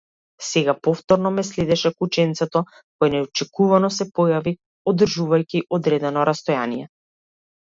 Сега повторно ме следеше кученцето, кое неочекувано се појави, одржувајќи одредено растојание.